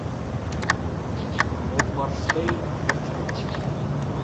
Отмарштейн мовчав.